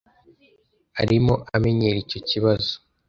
Arimo amenyera icyo kibazo.